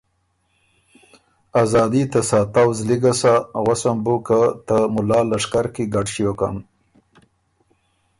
ازادي ته ساتؤ زلی ګۀ سۀ، غوسم بُو که ته مُلا لشکر کی ګډ ݭیوکن